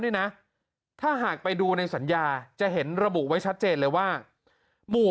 นี่นะถ้าหากไปดูในสัญญาจะเห็นระบุไว้ชัดเจนเลยว่าหมู่